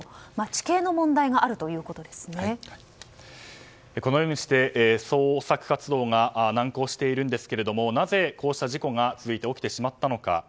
地形の問題がこのようにして捜索活動が難航していますがなぜこうした事故が起きてしまったのか。